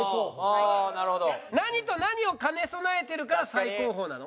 何と何を兼ね備えてるから最高峰なの？